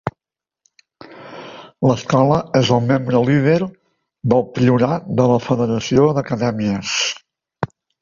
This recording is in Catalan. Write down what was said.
L'escola és el membre líder del Priorat de la Federació d'Acadèmies.